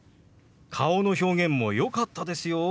顔の表現もよかったですよ。